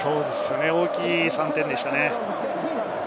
大きい３点でしたね。